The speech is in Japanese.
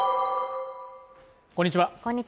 こんにちは。